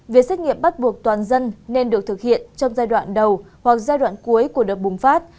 việc xét nghiệm bắt buộc toàn dân nên được thực hiện trong giai đoạn đầu hoặc giai đoạn cuối của đợt bùng phát